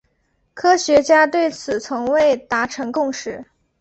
科学家对此从未达成共识。